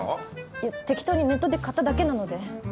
いや適当にネットで買っただけなので。